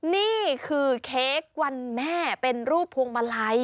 นี่คือเค้กวันแม่เป็นรูปพวงมาลัย